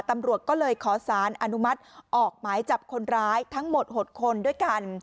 ตำรวจก็เลยขอสารอนุมัติออกหมายจับคนร้ายทั้งหมด๖คนด้วยกัน